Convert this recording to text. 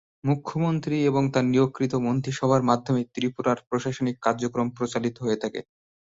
মুখ্যমন্ত্রী এবং তার নিয়োগকৃত মন্ত্রিসভার মাধ্যমে ত্রিপুরার প্রশাসনিক কার্যক্রম পরিচালিত হয়ে থাকে।